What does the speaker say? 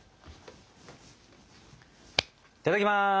いただきます！